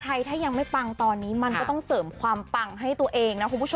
ใครถ้ายังไม่ปังตอนนี้ให้มันก็ต้องเสริมความปังให้ตัวเอง